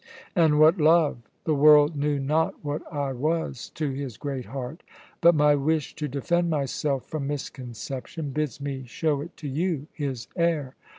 And what love! The world knew not what I was to his great heart, but my wish to defend myself from misconception bids me show it to you, his heir.